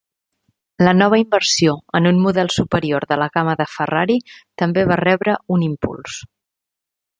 La nova inversió en un model superior de la gamma de Ferrari també va rebre un impuls.